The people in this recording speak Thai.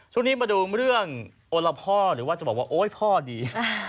ช่วงนี้มาดูเรื่องโอละพ่อหรือว่าจะบอกว่าโอ๊ยพ่อดี